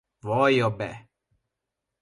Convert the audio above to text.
Vallja be!